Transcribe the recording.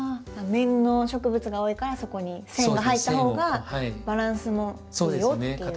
面の植物が多いからそこに線が入った方がバランスもいいよっていうことなんですね。